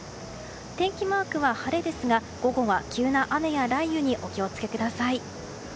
天気マークは晴れですが午後は急な雨や雷雨にお気を付けください。